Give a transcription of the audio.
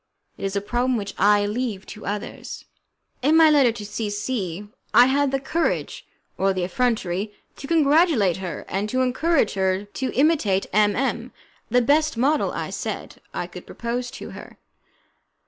It is a problem which I leave to others. In my letter to C C I had the courage, or the effrontery, to congratulate her, and to encourage her to imitate M M , the best model, I said, I could propose to her.